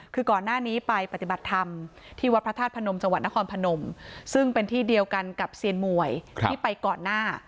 คือก่อนหน้านี้ไปปฏิบัติธรรมที่วัดพระธาตุพนมจังหวัดนครพนมซึ่งเป็นที่เดียวกันกับเซียนมวยที่ไปก่อนหน้า